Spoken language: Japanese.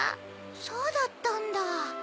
そうだったんだ。